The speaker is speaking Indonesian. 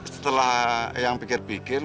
setelah ayang pikir pikir